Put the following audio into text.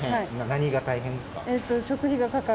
何が大変ですか？